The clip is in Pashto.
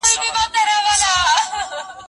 انسان پخپلو دنيوي چارو کي عقل ته اړتيا لري.